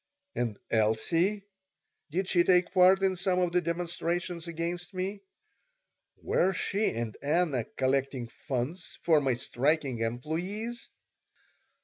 And Elsie? Did she take part in some of the demonstrations against me? Were she and Anna collecting funds for my striking employees?